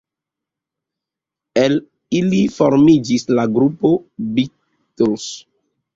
El ili formiĝis la grupo Beatles.